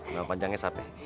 nama panjangnya siapa ya